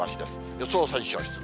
予想最小湿度。